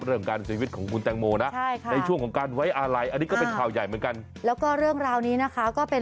เรื่องการเซลล์มันของคุณแตงโมนะในช่วงของการไว้อาลัยอันนี้ก็เป็นข่าวใหญ่เหมือนกัน